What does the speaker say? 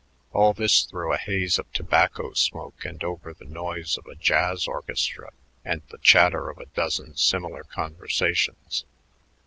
All this through a haze of tobacco smoke and over the noise of a jazz orchestra and the chatter of a dozen similar conversations.